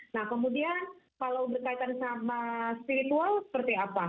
nah kemudian kalau berkaitan sama spiritual seperti apa